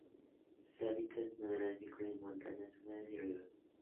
Sus hábitats naturales incluyen montanos húmedos y ríos.